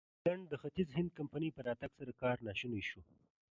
د هالنډ د ختیځ هند کمپنۍ په راتګ سره کار ناشونی شو.